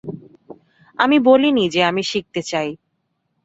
আমি বলিনি যে আমি শিখতে চাই!